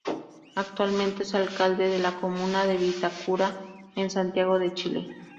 Actualmente es alcalde de la comuna de Vitacura, en Santiago de Chile.